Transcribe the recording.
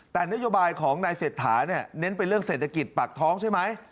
แต่นโยบายของนายเศรษฐาเนี่ยเน้นไปเรื่องเศรษฐกิจปากท้องใช่ไหม